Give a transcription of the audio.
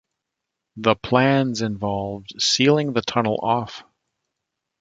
The plans involved sealing the tunnel off.